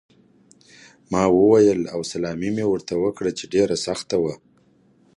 ما وویل: 'A rivederla' او سلامي مې ورته وکړه چې ډېره سخته وه.